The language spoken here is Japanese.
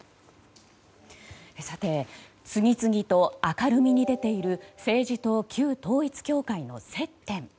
次々と明るみになっている政治と旧統一教会との接点。